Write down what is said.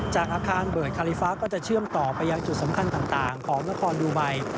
จากอาคารเบิร์ดคาลิฟ้าก็จะเชื่อมต่อไปยังจุดสำคัญต่างของนครดูไม